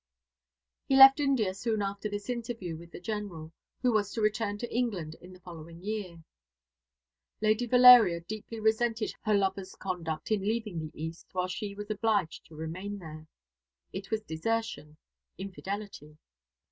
He left India soon after this interview with the General, who was to return to England in the following year. Lady Valeria deeply resented her lover's conduct in leaving the East, while she was obliged to remain there. It was desertion, infidelity.